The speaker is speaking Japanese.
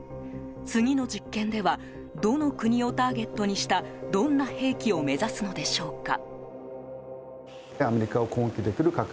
次の実験ではどの国をターゲットにしたどんな兵器を目指すのでしょうか。